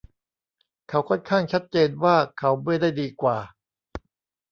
เขาค่อนข้างชัดเจนว่าเขาไม่ได้ดีกว่า